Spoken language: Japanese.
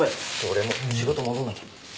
俺もう仕事戻んなきゃ。